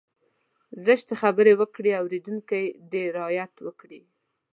زشتې خبرې وکړي اورېدونکی دې رعايت وکړي.